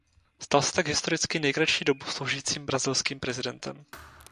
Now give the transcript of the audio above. Stal se tak historicky nejkratší dobu sloužícím brazilským prezidentem.